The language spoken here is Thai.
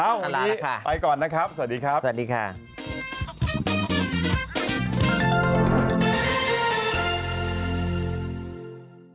เอ้าหุ่นดีไปก่อนนะครับสวัสดีครับสวัสดีค่ะสวัสดีค่ะ